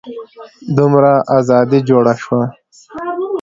دومره ازادي جوړه شوه.